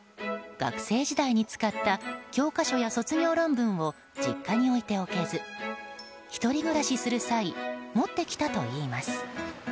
学生時代に使った教科書や卒業論文を実家に置いておけず１人暮らしする際持ってきたといいます。